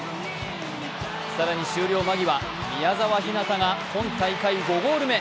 更に終了間際宮澤ひなたが今大会５ゴール目。